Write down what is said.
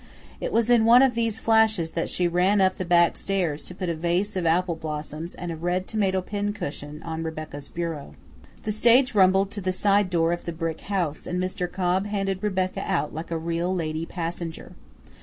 It was in one of these flashes that she ran up the back stairs to put a vase of apple blossoms and a red tomato pincushion on Rebecca's bureau. The stage rumbled to the side door of the brick house, and Mr. Cobb handed Rebecca out like a real lady passenger.